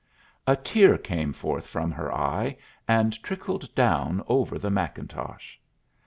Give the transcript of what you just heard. A tear came forth from her eye and trickled down over the mackintosh.